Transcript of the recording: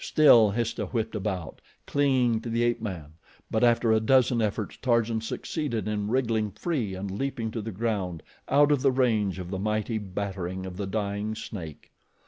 Still Histah whipped about, clinging to the ape man; but after a dozen efforts Tarzan succeeded in wriggling free and leaping to the ground out of range of the mighty battering of the dying snake.